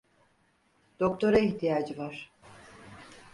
Doktora ihtiyacı var.